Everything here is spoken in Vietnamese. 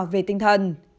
về tinh thần